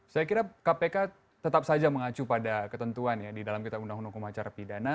saya kira kpk tetap saja mengacu pada ketentuan ya di dalam kitab undang undang pemacara pidana